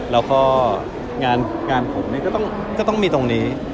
แล้วก็งานผมก็ต้องมีตรงนี้